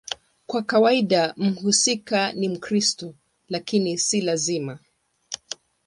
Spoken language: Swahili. Kwa kawaida mhusika ni Mkristo, lakini si lazima.